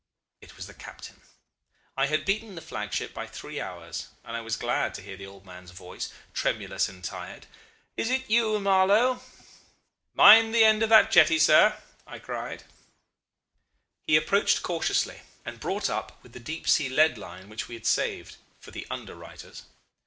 "It was the captain. I had beaten the flagship by three hours, and I was glad to hear the old man's voice, tremulous and tired. 'Is it you, Marlow?' 'Mind the end of that jetty, sir,' I cried. "He approached cautiously, and brought up with the deep sea lead line which we had saved for the under writers.